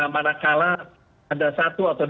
mana kala ada satu atau